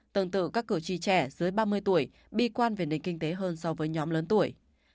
tương tự các cử tri trẻ dưới ba mươi tuổi bi quan về nền kinh tế hơn so với nhóm lớn tuổi